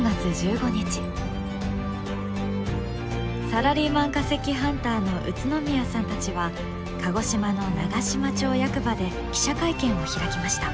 サラリーマン化石ハンターの宇都宮さんたちは鹿児島の長島町役場で記者会見を開きました。